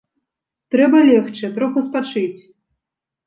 Трэба легчы, троху спачыць.